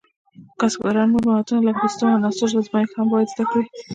کسبګران نور مهارتونه لکه د سیسټم د عناصرو ازمېښت هم باید زده کړي.